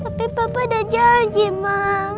tapi papa udah janji ma